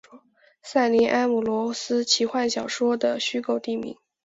塞林安姆罗斯奇幻小说的虚构地名。